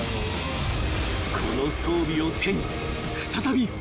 ［この装備を手に］